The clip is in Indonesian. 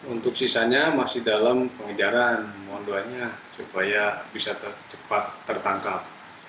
untuk sisanya masih dalam pengejaran mohon doanya supaya bisa cepat tertangkap